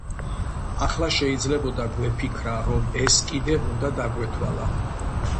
ახლა შეიძლებოდა გვეფიქრა, რომ ეს კიდევ უნდა დაგვეთვალა.